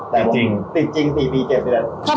๖ติดจริงปีเจ็บแล้วนะครับจริง